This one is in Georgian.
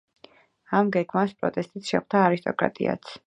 ამ გეგმას პროტესტით შეხვდა არისტოკრატიაც.